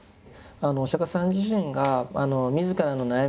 お釈迦様自身が自らの悩み